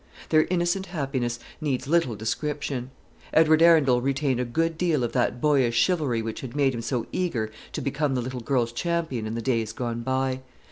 Their innocent happiness needs little description. Edward Arundel retained a good deal of that boyish chivalry which had made him so eager to become the little girl's champion in the days gone by.